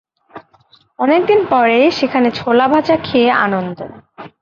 অনেক দিন পরে এখানে ছোলাভাজা খেয়ে আনন্দ।